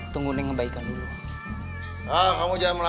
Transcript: terima kasih ya